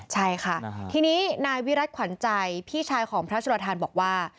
ใช่ค่ะทีนี้นายวิรัติขวัญใจพี่ชายของพระสุรทานบอกว่า